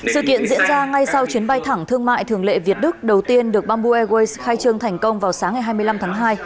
sự kiện diễn ra ngay sau chuyến bay thẳng thương mại thường lệ việt đức đầu tiên được bamboo airways khai trương thành công vào sáng ngày hai mươi năm tháng hai